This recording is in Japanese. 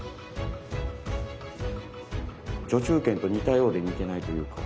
序中剣と似たようで似てないというか。